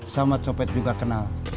sama copet juga kenal